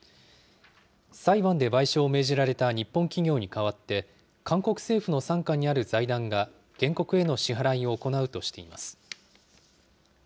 裁判で賠償を命じられた日本企業に代わって、韓国政府の傘下にある財団が、原告への支払いを行うとしています。